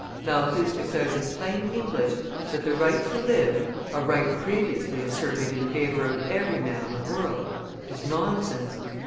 Malthus declares in plain English that the right to live, a right previously asserted in favour of every man in the world, is nonsense.